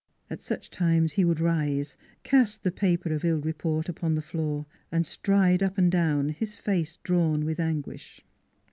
" At such times he would rise, cast the paper of ill report upon the floor and stride up and down, his face drawn with anguish.